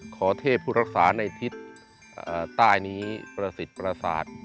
ขอเทพผู้รักษาในทิศใต้นี้ประสิทธิ์ประสาท